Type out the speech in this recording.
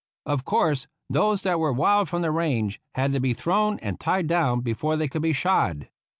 Of course, those that were wild from the range had to be thrown and tied down before they could be shod.